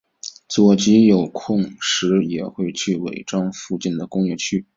佐吉有空时也会去尾张附近的工业区。